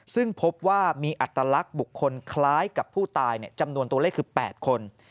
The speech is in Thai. ซึ่งพบว่ามีอัตลักษณ์บุคคลคล้ายกับผู้ตายจำนวนตัวเลขคือ๘คน